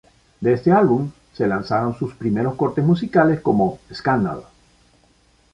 De este álbum, se lanzaron su primeros cortes musicales como 'Scandal'.